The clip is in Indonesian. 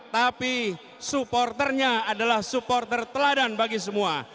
tapi supporternya adalah supporter teladan bagi semua